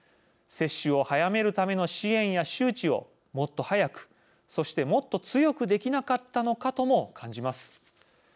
接種を早めるための支援や周知をもっと早く、そしてもっと強くできなかったのかとも感じます。